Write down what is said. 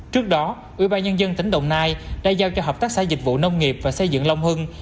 trước đó ubnd tỉnh đồng nai đã giao cho hợp tác xã dịch vụ nông nghiệp và xây dựng long hưng